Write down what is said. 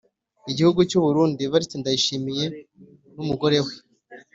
igihugu cy’uburundi evariste ndayishimiye n’umugore we